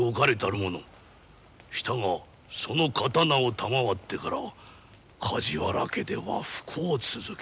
したがその刀を賜ってから梶原家では不幸続き。